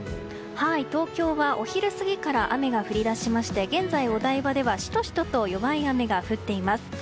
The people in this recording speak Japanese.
東京はお昼過ぎから雨が降り出しまして現在、お台場ではシトシトと弱い雨が降っています。